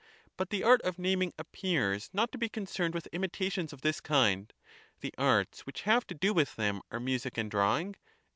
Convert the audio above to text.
But the art of naming appears not to be concerned with imitations of this kind ; the arts which have to do with them are music and drawing?